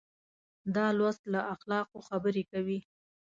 دا لوست له اخلاقو خبرې کوي.